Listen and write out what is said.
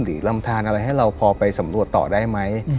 ลำทานอะไรให้เราพอไปสำรวจต่อได้ไหม